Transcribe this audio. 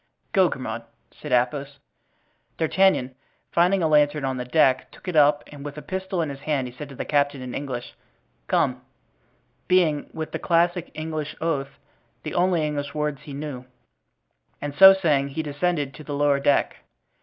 "Go, Grimaud," said Athos. D'Artagnan, finding a lantern on the deck, took it up and with a pistol in his hand he said to the captain, in English, "Come," (being, with the classic English oath, the only English words he knew), and so saying he descended to the lower deck.